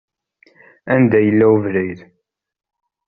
Anda yella webrid?